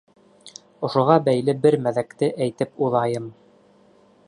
Ошоға бәйле бер мәҙәкте әйтеп уҙайым.